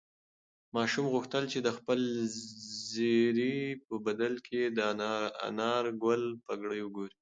ماشوم غوښتل چې د خپل زېري په بدل کې د انارګل پګړۍ وګوري.